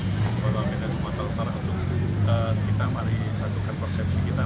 kepada medan sumatera utara untuk kita mari satukan persepsi kita